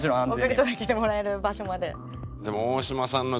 送り届けてもらえる場所まで。